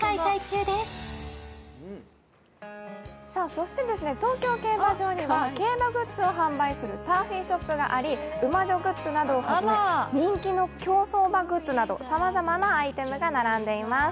そして東京競馬場には競馬グッズを販売するターフィーショップがあり、ＵＭＡＪＯグッズをはじめ人気の競走馬グッズなどさまざまなアイテムが並んでいます。